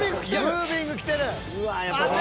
ムービングきてる。